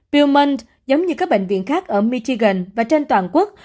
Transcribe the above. viewman giống như các bệnh viện khác ở michigan và trên toàn quốc